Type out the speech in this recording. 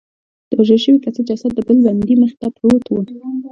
د وژل شوي کس جسد د بل بندي مخې ته پروت و